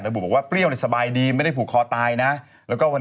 นี่คือคำถามมาล่าสุดนะครับ